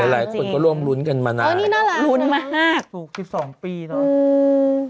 หลายหลายคนก็ร่วมรุนกันมานานอ๋อนี่น่ารักรุนมานานสุดสองปีน่ะอืม